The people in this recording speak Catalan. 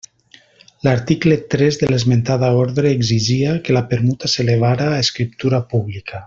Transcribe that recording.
L'article tres de l'esmentada ordre exigia que la permuta s'elevara a escriptura pública.